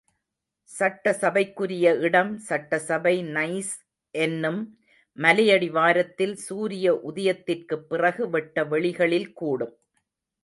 சட்டசபைக்குரிய இடம் சட்டசபை நைஸ் என்னும் மலையடி வாரத்தில் சூரிய உதயத்திற்குப் பிறகு வெட்ட வெளிகளில் கூடும்.